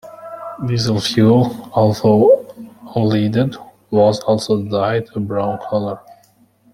Diesel fuel, although unleaded, was also dyed a brown color.